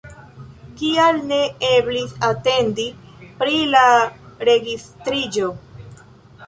Kial ne eblis atendi pri la registriĝo?